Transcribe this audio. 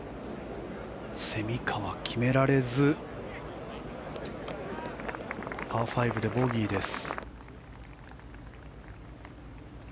蝉川、決められずパー５でボギーです。